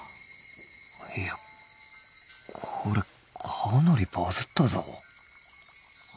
いやこれかなりバズったぞ。